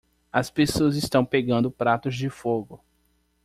As pessoas estão pegando pratos de fogo.